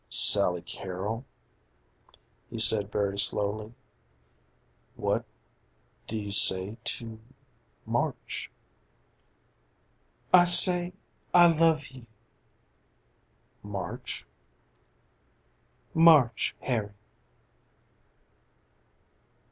"Sally Carol," he said very slowly, "what do you say to March?" "I say I love you." "March?" "March, Harry."